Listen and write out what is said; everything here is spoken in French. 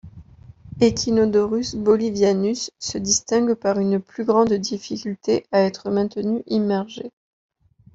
Echinodorus bolivianus se distingue par une plus grande difficulté à être maintenue immergée.